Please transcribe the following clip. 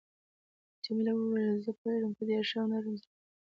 جميلې وويل: زه پوهیږم ته ډېر ښه او نرم زړی یې.